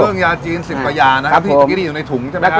เครื่องยาจีนสิบกว่าอย่างนะครับที่ตะกี้นี่อยู่ในถุงใช่ไหมครับ